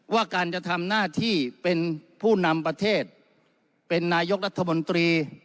ว่าการจะทำหน้าที่เป็นผู้นำประเทศเป็นนายกรัฐมนตรี